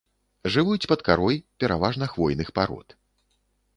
Жывуць пад карой пераважна хвойных парод.